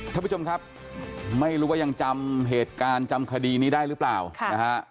ท่านผู้ชมครับไม่รู้ว่ายังจำเหตุการณ์จำคดีนี้ได้หรือเปล่านะฮะ